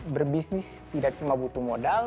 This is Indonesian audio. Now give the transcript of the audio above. berbisnis tidak cuma butuh modal